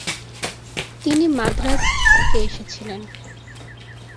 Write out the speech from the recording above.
তিনি মাদ্রাজ থেকে এসেছিলেন।